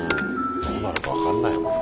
どうなるか分かんないもんね。